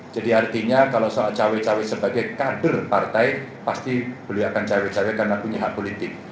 jadi artinya kalau soal cawe cawe sebagai kader partai pasti beliau akan cawe cawe karena punya hak politik